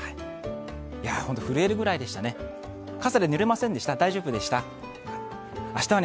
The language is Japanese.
本当に震えるぐらいでしたね。